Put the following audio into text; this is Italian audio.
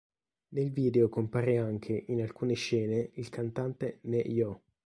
Nel video compare anche, in alcune scene, il cantante Ne-Yo.